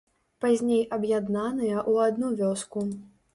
Пазней аб'яднаныя ў адну вёску.